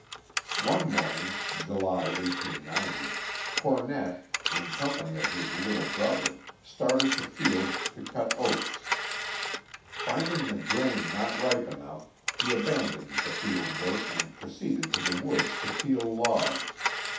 One morning (July, 1890) Cornett, in company of his little brother, started to the field to cut oats. Finding the grain not ripe enough, he abandoned the field work and proceeded to the woods to peel logs.